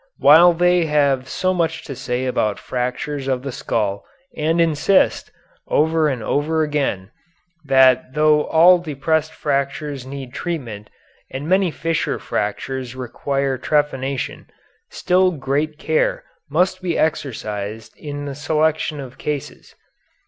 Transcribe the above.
While they have so much to say about fractures of the skull and insist, over and over again, that though all depressed fractures need treatment and many fissure fractures require trepanation, still great care must be exercised in the selection of cases.